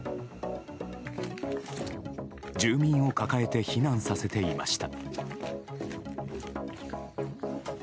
住民を抱えて避難させていました。